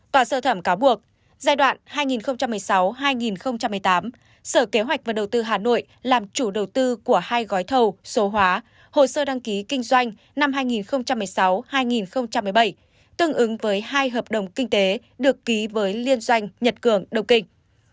tòa sơ thẩm cáo buộc giai đoạn hai nghìn một mươi sáu hai nghìn một mươi tám sở kế hoạch và đầu tư hà nội làm chủ đầu tư của hai gói thầu số hóa hồ sơ đăng ký kinh doanh năm hai nghìn một mươi sáu hai nghìn một mươi bảy tương ứng với hai hợp đồng kinh tế được ký với liên doanh nhật cường đông kinh